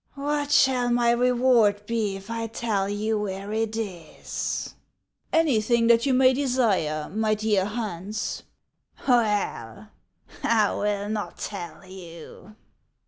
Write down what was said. " What shall my reward be if I tell you where it is ?"" Anything that you may desire, my dear Hans." " Well, I will not tell you."